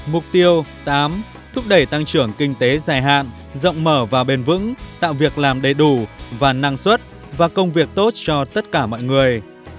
mục tiêu tám thúc đẩy tăng trưởng kinh tế dài hạn rộng mở và bền vững tạo việc làm đầy đủ và năng suất và công việc tốt cho tất cả mọi người